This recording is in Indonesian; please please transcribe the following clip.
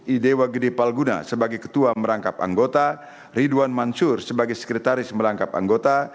idewa gede palguna sebagai ketua merangkap anggota ridwan mansur sebagai sekretaris merangkap anggota